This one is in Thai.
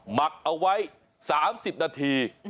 หมักเอาไว้๓๐นาที